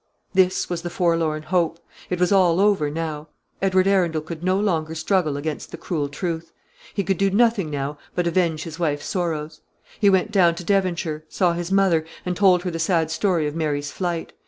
This was the forlorn hope. It was all over now. Edward Arundel could no longer struggle against the cruel truth. He could do nothing now but avenge his wife's sorrows. He went down to Devonshire, saw his mother, and told her the sad story of Mary's flight.